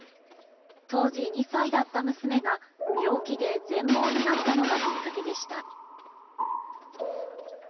当時２歳だった娘が、病気で全盲になったのがきっかけでした。